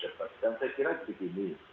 dan saya kira begini